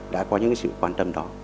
đã có những sự quan tâm đó